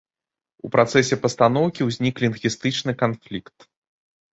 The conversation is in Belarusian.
У працэсе пастаноўкі ўзнік лінгвістычны канфлікт.